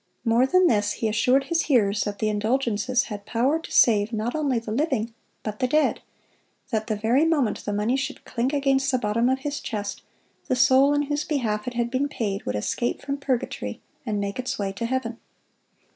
(171) More than this, he assured his hearers that the indulgences had power to save not only the living but the dead; that the very moment the money should clink against the bottom of his chest, the soul in whose behalf it had been paid would escape from purgatory and make its way to heaven.